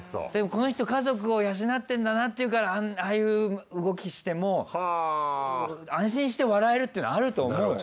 この人家族を養ってんだなっていうからああいう動きしても安心して笑えるってのはあると思うよ。